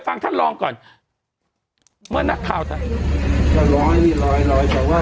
ฟังท่านลองก่อนเมื่อนักข่าวท่านจะลอยนี่ลอยลอยแต่ว่า